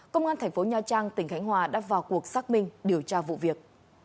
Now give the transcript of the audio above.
công an thành phố nha trang tỉnh khánh hòa đã vào cuộc xác minh điều tra vụ việc